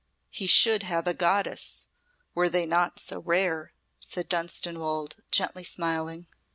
"He should have a goddess, were they not so rare," said Dunstanwolde, gently smiling.